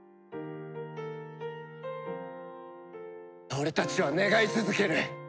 俺たちは願い続ける！